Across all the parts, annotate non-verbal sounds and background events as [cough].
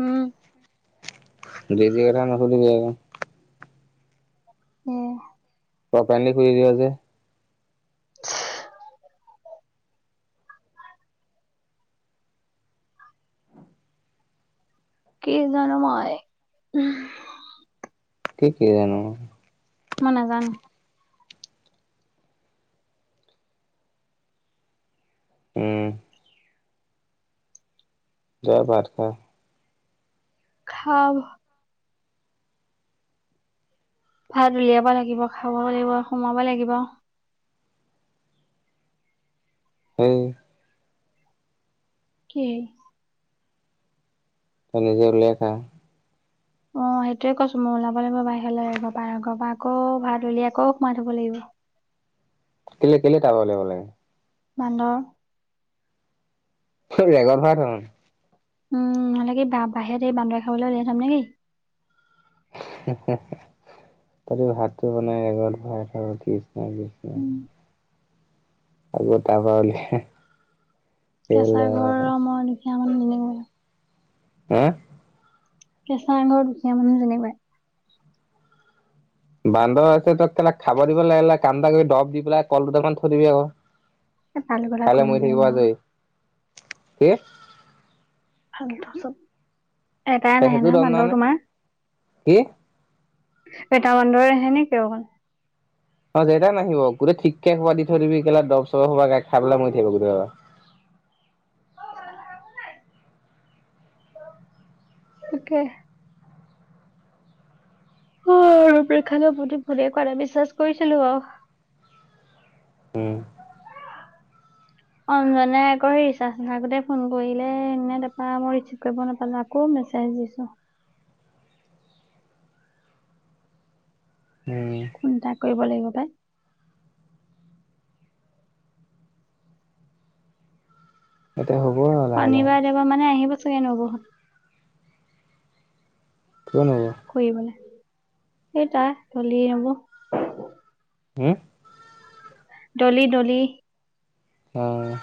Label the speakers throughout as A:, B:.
A: উম
B: [unintelligible]
A: উম,
B: ককা হেন্তে খুলি দিব যে।
A: [unintelligible] কি জানো মই উম, হ।
B: কি- কি জানো মই।
A: মই নেজানো।
B: উম যা ভাত, খা
A: খাম ভাত উলিয়াব লাগিব খাব লাগিব সোমাব লাগিব।
B: হেই
A: কি হেই
B: পানী ঢালি লখা
A: অ সেইটোয়ে কৈছো মই ওলাব লাগিব বাহিৰেলৈৰ পৰা ঘৰ পৰা আকৌ ভাত, উলি আকৌ সোমাই থ'ব লাগিব।
B: কেলে কেলে তাপা ওলিয়াব লাগিব লাগে।
A: বান্দৰ
B: হে জেগা ভ
A: উম নহলে কি বাহিৰ এই বান্দৰে, খাবলৈ ওলাই থম নেকি।
B: হে, হে, তহতি ভাতটো বনাই বেগত ভয় বৰাই থওঁ কিছ ন কি ন
A: উম
B: আগ তাৰ পা উলিয়াই
A: কেঁচা
B: কেলা
A: ঘৰ মই নি
B: হে
A: কেঁচা আঙৰ দুখীয়া মানুহ যেনিবাই
B: বান্দৰ আছে তা খেলা খাব দিব লাগিলে কান্দা, কি ডৰব দি পেলাই কল, দুটামান থৈদিবি আওঁ
A: তাল লগত আকৌ এনেকে নহব
B: কি?
A: ফালটো চব এটাই নাই
B: সেইটো
A: নহয়
B: দম নে
A: বান্দৰ তোমাৰ
B: কি?
A: এটা বান্দৰে আহে নেকি অকল
B: অ যেটা নাহিব গোটেই ঠিকে এঘোপা দি থবি কেলা দচ। চবা গাই খাই পেলাই মৰি থাকিব
A: উম
B: গোটেইা।
A: তাকে অ প্ৰেক্ষালৈ প্ৰতিত ভালেই কৰা বিশ্বাস কৰিছিলো অ
B: উম
A: অঞ্জনে আকৌ সেই ৰিচাৰ্জ আগতে ফোন কৰিলে এনে তাৰপা মই ৰিচিভ কৰিব নাপালো আকৌ মেছেজ দিছো।
B: উম
A: কোন তাক কৰিব লাগিব পাই।
B: এতিয়া হ'ব আৰু লাহে লাহে
A: শনিবাৰে দেওবাৰে মানে আহিব। চাগে নবহ হত
B: কিয় নেজাই
A: সেইটাই চলি যাব।
B: হুম
A: ডলি, ডলি
B: অ, '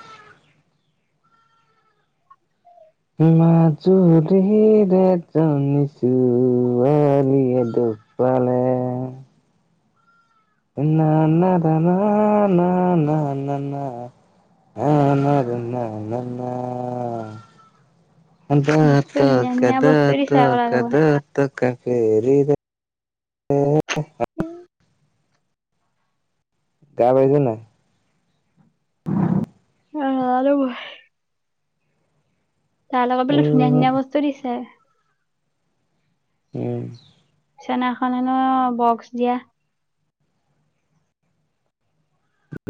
B: মাজুলীয়ে এজনী ছোৱালীয়ে দুখপালে। না না না না না না না না না না না না না,
A: বস্তু
B: দহটকা,
A: ধুনীয়া ধুনীয়া বস্তু দিছে আকৌ তাৰ
B: দহটকা,
A: লগত
B: দহটকা, তক তাকে [unintelligible]
A: উম
B: গা ধুবি নাই
A: উম নোৱাৰো মই তাৰ লগত
B: অ
A: বোলো ধুনীয়া ধুনীয়া বস্তু দিছে
B: উম
A: বিচেনাখনোন বক্স দিয়া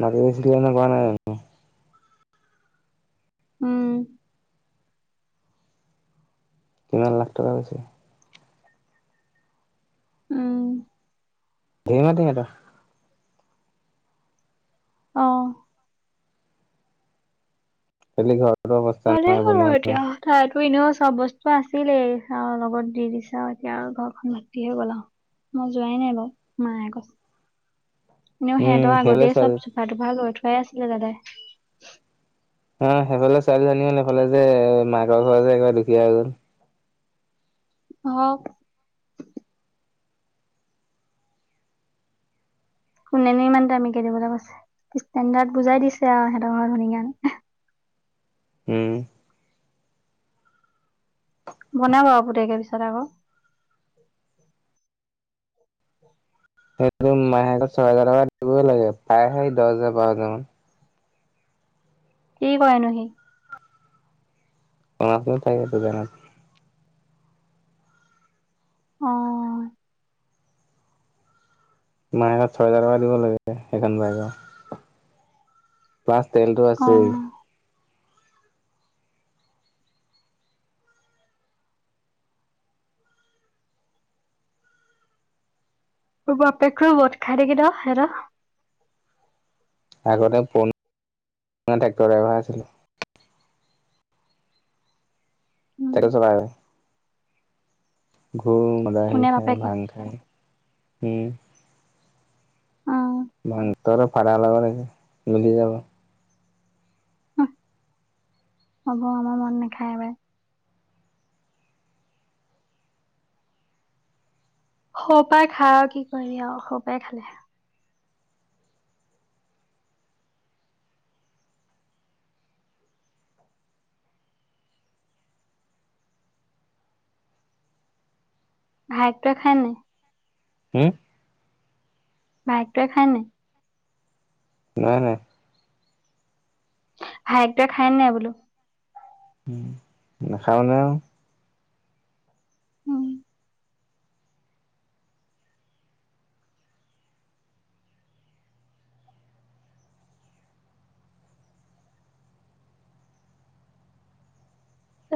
B: লগৰ [unintelligible]
A: উম
B: কিমান লাখ টকা কৈছে
A: উম
B: [unintelligible] তো মাতা
A: অহ
B: হেলি ঘৰত
A: ভালেই হ'ল আৰু এতিয়া থাইত ত এনেও চব বস্তু আছিলেই আ লগত দি দিছে এতিয়া ঘৰখন ভৰ্তি হৈ গল আও মই যোৱাই নাই বাৰু মায়ে কৈছে এনেও
B: উম
A: সিহঁতৰ
B: সেইফালে
A: আগতেই
B: ছোৱালী
A: চব চোফা তোফা লৈ থো কৈ আছিলো দাদাই
B: অ সেইফালে ছোৱালীজনীয়ে নকলে যে মাকৰ ঘৰ যে একবাৰ দুখীয়া হল
A: হওক কোনেনো ইমান দামীকে দিবলে কৈছে ষ্টেন্ডাৰ্ড বুজাই দিছে আও সিহঁতৰ ঘৰ ধনী কাৰনে
B: উম
A: বনাব আ পুতেকে পিছত আকৌ
B: সেইটোত মাই মাহেকত ছয় হেজাৰ টকা দিবই লাগে তা সেই দচ হেজা বাৰ দিন
A: কি কযনো সি
B: [unintelligible]
A: অহ
B: মাহেকত ছয় হেজাৰ টকা দিব লাগে সেইখন বাইকৰ প্লাচ তেলটো
A: অ
B: আছেই
A: তো বাপেকতো মদ খাই থাকে ন হেতৰ
B: আগতে পুৰণা ট্ৰেক্টৰ ড্ৰাইভাৰ আছিলে
A: উম
B: টেক্টৰ চলাই উম ঘোৰ মাদাহী
A: কোনে
B: খায়
A: বাপেকে
B: ভাং খায় হম
A: অ
B: ভাংটো আৰু চাদা লগাই লব মিলি যাব
A: হ'ব আমাৰ মদ নেখাই পাই সও' পৰাই খাই আৰু কি কৰিবি আৰু সৰু পৰাই খালে ভাইক টোৱে খাই নাই
B: হম
A: ভাইকটোৱে খাই নাই
B: নহাই নাই
A: ভাইক টোৱে খায়ন নাই বোলো?
B: উ নাখায় মানে আৰু
A: উম।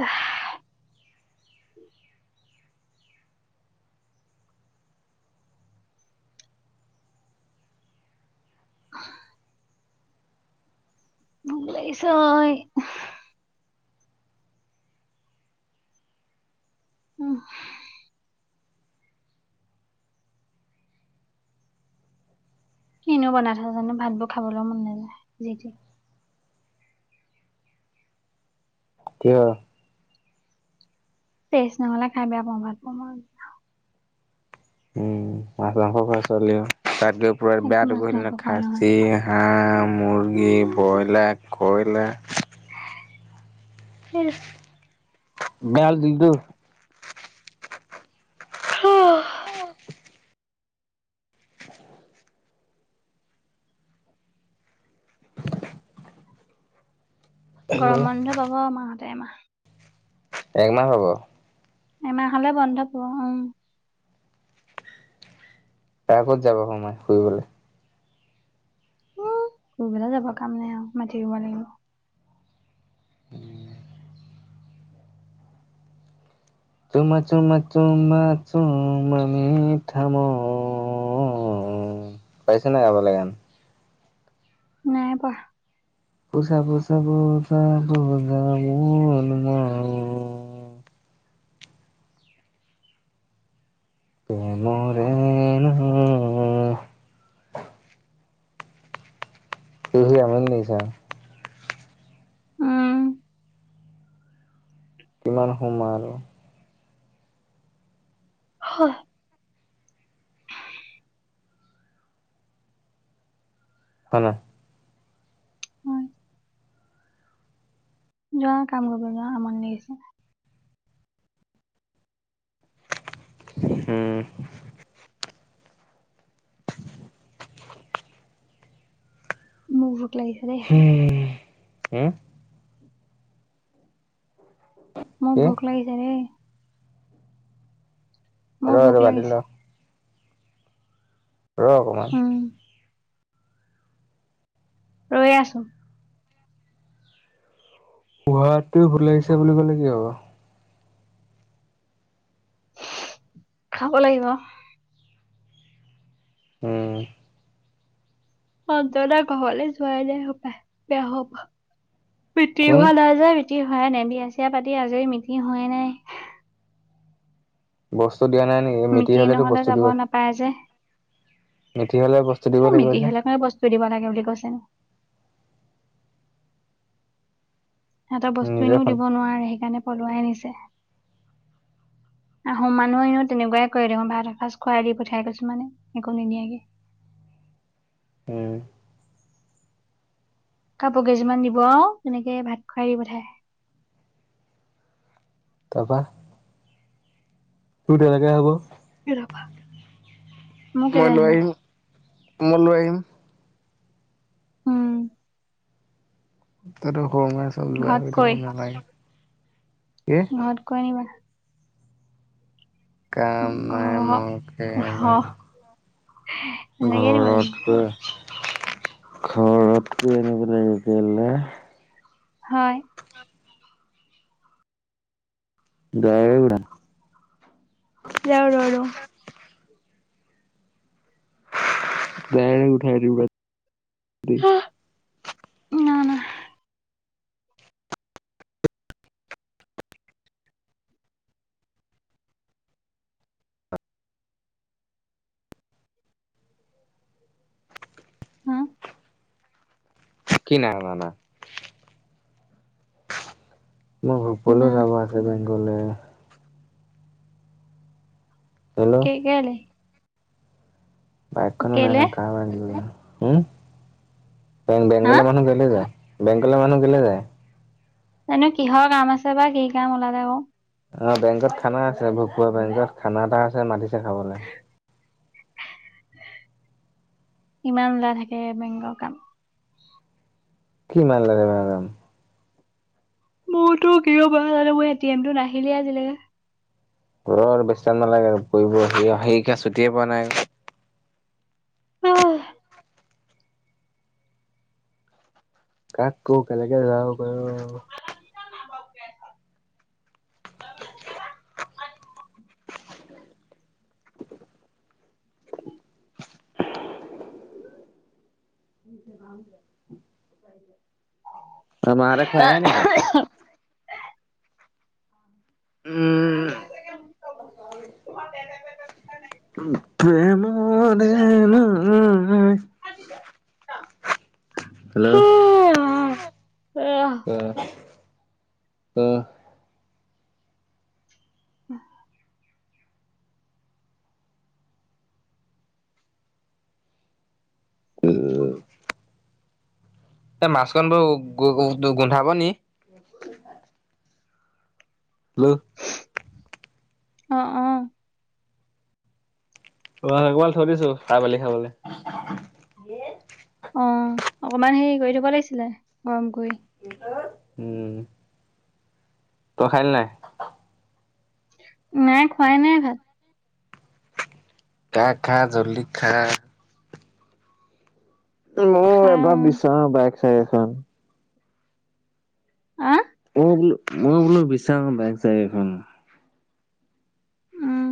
A: অ [inaudible] মোক লাগিছে ও। উম। কিনোও বনাই থ জানো ভাতবোৰ খাবলৈ মন নাযায় যিট।
B: ক
A: তেজ নহ'লে খাই বেয়া পম ভাত প
B: উম মাছ মাংস খ চোৱলীও তাত প
A: একো
B: বেয়াটো গ
A: মাছ মাংস খোৱা নহয়
B: খাচী হাঁহ মুৰ্গী
A: উম,
B: ব্ৰইলাৰ ক আ
A: উম
B: ম হাল দিনটো
A: আহ
B: হেল্ল'
A: গৰম বন্ধ পাব আমাৰ ম
B: একমাহ হব
A: এমাহ হলে বন্ধ পোৱা উম।
B: তাৰ ক'ত যাব সোমাই ফুৰিবলৈ
A: উ কৰিববেলা যাব কাম নাই আৰু মাতিব লাগিব।
B: প চুমা চুমাু চুমা চুম মিঠা মন, পাইছো নে নাই গাবালে গান?
A: নাই পোৱা।
B: বুজা বুজা বুজা মোৰ মন। প্ৰেমৰে নৈ তি আমনি লাগিছিল?
A: উম
B: কিমান সময় আৰু
A: হয়।
B: হ না।
A: জ কাম কৰিব ন আমানি লাগিছে
B: হম
A: ম লাগছে দে।
B: হে
A: মোৰ ভোক লাগিছে
B: এ
A: মোৰ ভোক লাগিছে
B: পাৰল ৰ অকমান
A: উম ৰৈ আছো
B: পোহাতোৱে ভুল লাগিছে বুলি কলে কি হ'ব।
A: খাব লাগিব
B: উম
A: অন্ততা ঘৰলৈ যোৱাই নাই হপাই বেয়া হ'বা [unintelligible] মিটিং
B: কোন
A: হোৱায় নাই বিয়া চিয় পাতি আজৰি মিটিং হয়োৱে নাই
B: বস বস্তু দিয়া নাই নেি মিটি
A: মিটিং
B: হ'লেতো
A: নহলে
B: বস্তু
A: যাব
B: দিব
A: নাপায় যে
B: মেঠি হলে বস্তু দিব
A: এ
B: লাগিব
A: মিটিং
B: যে
A: হলে মানে বস্তু দিব লাগে বুলি কৈছে এটা বস্তু এনেও
B: নিজৰখন
A: দিব নোৱাৰে সেইকাৰণে পলোৱাই নিছে আহোম মানুহ এনো তেনেকোৱাই কৰে দেখ ভাত এসাঁজ খুৱাই দি পঠিয়াই গৈছো মানে একো নিদিয়াকে
B: উম
A: কাপোৰ কেইযিমান দিব আৰু তেনেকে ভাত খুৱাই দি পথাই
B: তাপা তোৰত এনেকে হ'ব
A: বিবা মো কেলে হব
B: কোমল লৈ আহিম
A: উম
B: তাকে টো গৰমে চব যোৱাই কৰি থাব নালাগে কি
A: ঘাত কৈ আ নিবা
B: কাম নাই
A: ঘ
B: মকে নাই
A: এ কেনেকে লাগিব
B: ঘৰতকৈ এনেব ললে
A: হয়
B: দাইল
A: যাও ৰ ৰ
B: গাই উঠাই দিব [unintelligible]
A: না না হুম
B: কি না না মই ভূল
A: না
B: যাব আছে ব গ'লে হেল্ল'
A: কে কলে
B: বখনো ন
A: কেলে
B: নাই পিল হুম
A: হা
B: বেংকলে মানুহ কেলে যায় বেংকলে মানুহ কেলে যায়
A: জানো কিহৰ কাম আছে বা কি কাম ওলালে আকৌ-
B: অ বেংকত খানা আছে ভা বেংকত খানা এটা আছে মাতিছে খাবলে-
A: ইমান ওলাই থাকে বেংকৰ কাম
B: কি মান লাগ মেডম [unintelligible]
A: মহতো কিয় বাৰ মই এ টি এমটো নাহিলেই আজিলৈকে
B: ঘ আৰু বেছ টাই নালাগে আৰু়বছুটিয়ে পোৱা নাই
A: উম
B: কাক কোও কেনেকে যাওঁ বাৰু
A: [unintelligible]
B: নি্চ ব [inaudible] মাসতে খুৱাই নাই নি ভাত উম
A: আাগে তোমাৰ তে [unintelligible]
B: প্ৰেমত অ দে ন উম উ হেল্ল'
A: অ
B: কোৱা ক
A: উম [inaudible]
B: উ [unintelligible] এ মাছখন বৰ গো গো গোন্ধাব নি হেল্ল'
A: অ অ
B: অ অকবমান থৈ দিছো তাই পালি খাবলৈ [unintelligible]
A: অ অকমান হেৰি কৰি থব লাগিছিলে গ
B: উম তই খালি নাই
A: নাই খোৱাই নাই ভাত
B: খা খা জল্লি খা মই এবাৰ
A: খাওঁ
B: বিশচাৰ বাইক সেই এখন
A: আহ
B: অই বোলো মই বোলো বিশাম বাইক চাইক এখন
A: উম